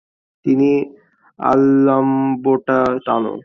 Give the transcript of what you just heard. নিচে আলম্বটা টানো।